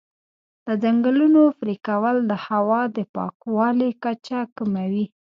د ځنګلونو پرېکول د هوا د پاکوالي کچه کموي.